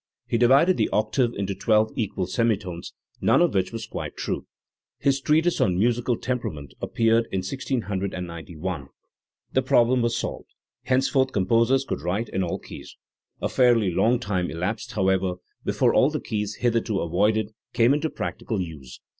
He divided the octave into twelve equal semitones, none of which was quite true. His treatise on Musical Temperament appeared in 1691. The problem was solved; henceforth composers could write in all keys. A fairly long time elapsed, however, before all the keys hitherto avoided came into practical use.